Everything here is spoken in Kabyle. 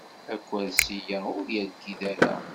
Akersi-a ur yerkid ara.